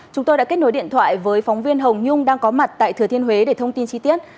chúng tôi đã kết nối điện thoại với phóng viên hồng nhung đang có mặt tại thừa thiên huế để thông tin chi tiết